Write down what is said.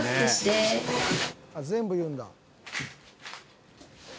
「全部言うんだ」